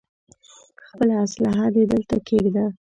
خپله اسلاحه دې دلته کېږده.